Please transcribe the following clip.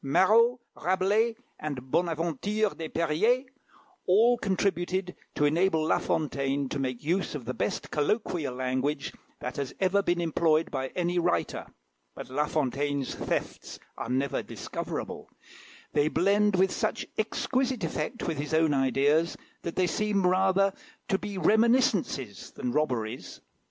Marot, Rabelais, and Bonaventure des Periers, all contributed to enable La Fontaine to make use of the best colloquial language that has ever been employed by any writer; but La Fontaine's thefts are never discoverable; they blend with such exquisite effect with his own ideas, that they seem rather to be reminiscences than robberies.